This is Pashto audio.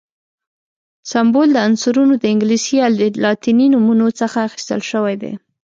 سمبول د عنصرونو د انګلیسي یا لاتیني نومونو څخه اخیستل شوی دی.